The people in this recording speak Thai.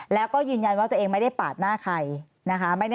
แล้วก็ยืนยันว่าตัวเองไม่ได้ปาดหน้าใครนะคะ